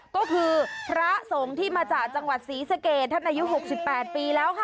ก็คือพระสงฆ์ที่มาจากจังหวัดศรีสะเกดท่านอายุ๖๘ปีแล้วค่ะ